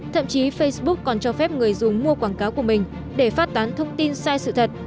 thậm chí facebook còn cho phép người dùng mua quảng cáo của mình để phát tán thông tin sai sự thật